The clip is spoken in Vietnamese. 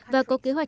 và có kế hoạch